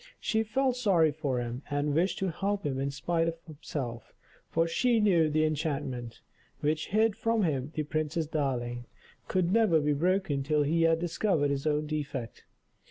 She felt sorry for him, and wished to help him in spite of himself, for she knew the enchantment, which hid from him the Princess Darling, could never be broken till he had discovered his own defect.